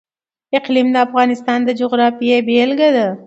اقلیم د افغانستان د جغرافیې بېلګه ده.